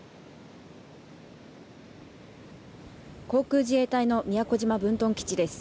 航空自衛隊の宮古島分屯基地です。